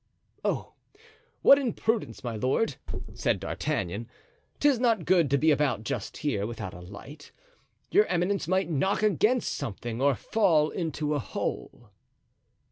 "Oh, what imprudence, my lord," said D'Artagnan; "'tis not good to be about just here without a light. Your eminence might knock against something, or fall into a hole."